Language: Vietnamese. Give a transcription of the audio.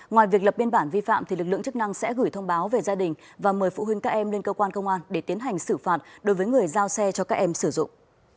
ngoài việc lập biên bản vi phạm lực lượng chức năng sẽ gửi thông báo về gia đình và mời phụ huynh các em lên cơ quan công an để tiến hành xử phạt đối với người giao xe cho các em sử dụng